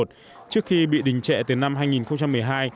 trước khi bị đình trệ từ năm hai nghìn một mươi hai